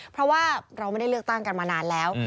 เพราะว่าเราไม่ได้เลือกตั้งกันมานานแล้ว